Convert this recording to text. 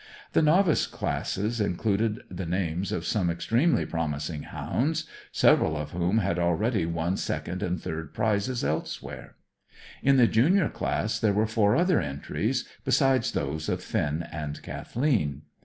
The Novice classes included the names of some extremely promising hounds, several of whom had already won second and third prizes elsewhere. In the junior class there were four other entries, besides those of Finn and Kathleen.